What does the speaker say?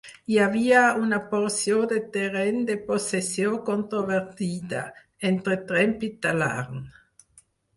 Hi havia una porció de terreny de possessió controvertida, entre Tremp i Talarn.